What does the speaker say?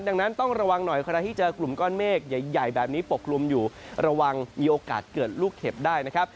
ดังนั้นต้องระวังหน่อยใครที่เจอกลุ่มก้อนเมฆใหญ่แบบนี้ปกกลุ่มอยู่ระวังมีโอกาสเกิดลูกเห็บได้นะครับ